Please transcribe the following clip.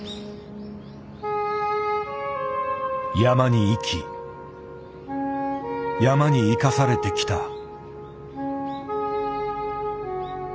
山に生き山に生かされてきた。